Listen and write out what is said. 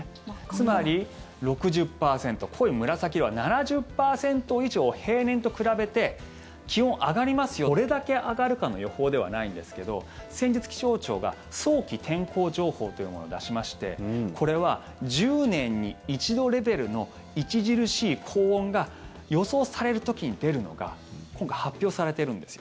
つまり、６０％濃い紫色は７０％以上更に、これは実際気温が上がるという予想でどれだけ上がるかの予報ではないんですけど先日、気象庁が早期天候情報というものを出しましてこれは１０年に一度レベルの著しい高温が予想される時に出るのが今回発表されているんですよ。